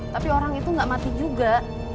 tapi orang itu gak mati juga